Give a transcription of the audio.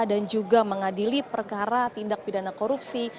dan juga mengadili perkara tindak pidana korupsi